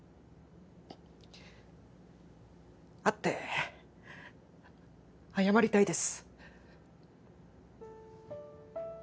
会って謝りたいです